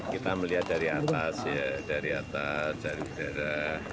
kita melihat dari atas ya dari atas dari udara